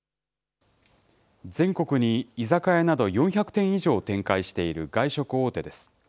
全国に居酒屋など４００店以上を展開している外食大手です。